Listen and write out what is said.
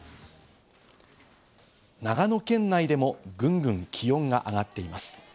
長野県内でもぐんぐん気温が上がっています。